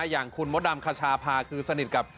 อย่างคุณมดดำคชาพาคือสนิทกับ